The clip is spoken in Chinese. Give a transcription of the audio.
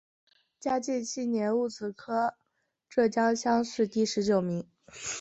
嘉靖七年戊子科浙江乡试第十九名。